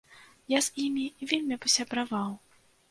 Я з ім вельмі пасябраваў.